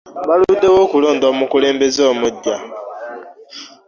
Baludewo okulonda omukulembeze omuggya.